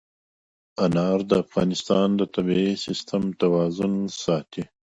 انار د افغانستان د طبعي سیسټم توازن ساتي.